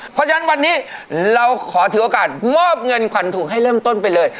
เพราะฉะนั้นวันนี้เราขอถือโอกาสมอบเงินขวัญถูกให้เริ่มต้นไปเลย